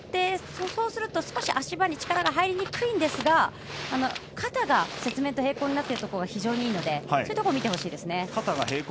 そうすると、少し足場に力が入りにくいんですが肩が雪面と平行になっているところが非常にいいのでそういうところを見てほしいですね。